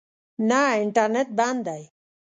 نه، انټرنېټ بند دی